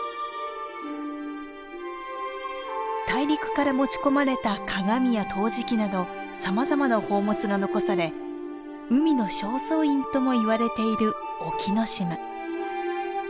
大陸から持ち込まれた鏡や陶磁器などさまざまな宝物が残され「海の正倉院」とも言われている沖ノ島。